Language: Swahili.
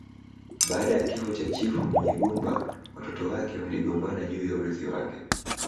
Baada ya kifo cha chifu Munyigumba watoto wake waligombana juu ya urithi wake